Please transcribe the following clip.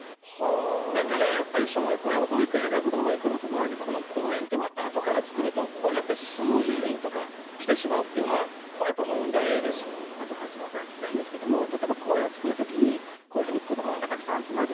だからやっぱり、小学校や保育園、学童保育の所にこの公園ってものをあとから作ると、ここにやっぱり数十人とか来てしまうっていうのは、これやっぱりあと、橋下さんに聞きたいんですけど、例えば、公園を作るときに、こういうふうに子どもがたくさん集まると。